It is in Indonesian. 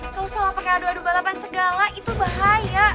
kau salah pake adu adu balapan segala itu bahaya